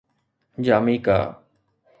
Jamaica